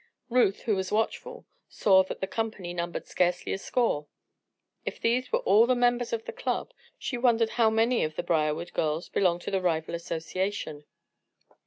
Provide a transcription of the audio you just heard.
Ruth, who was watchful, saw that the company numbered scarcely a score. If these were all the members of the club, she wondered how many of the Briarwood girls belonged to the rival association.